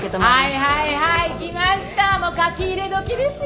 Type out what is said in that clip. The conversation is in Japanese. はいはいはい来ました書き入れ時ですよ！